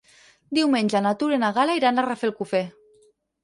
Diumenge na Tura i na Gal·la iran a Rafelcofer.